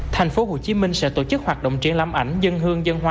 tp hcm sẽ tổ chức hoạt động triển lãm ảnh dân hương dân hoa